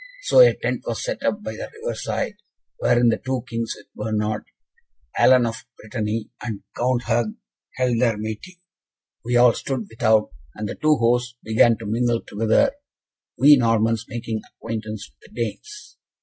So a tent was set up by the riverside, wherein the two Kings, with Bernard, Alan of Brittany, and Count Hugh, held their meeting. We all stood without, and the two hosts began to mingle together, we Normans making acquaintance with the Danes.